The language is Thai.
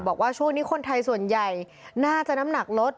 บอกว่าช่วงนี้คนไทยส่วนใหญ่น่าจะน้ำหนักลด